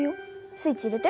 スイッチ入れて。